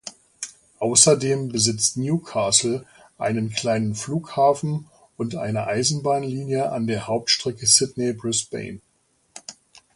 Außerdem besitzt Newcastle einen kleinen Flughafen und eine Eisenbahnlinie an der Hauptstrecke Sydney-Brisbane.